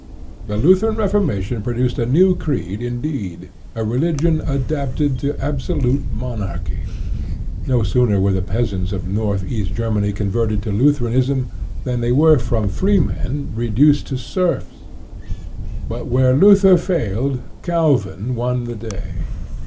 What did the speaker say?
The Lutheran reformation produced a new creed indeed, a religion adapted to absolute monarchy. No sooner were the peasants of North east Germany converted to Lutheranism than they were from freemen re duced to serfs. But where Luther failed, Calvin won the day.